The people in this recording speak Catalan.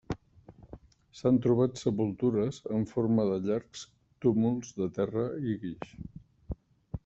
S'han trobat sepultures en forma de llargs túmuls de terra i guix.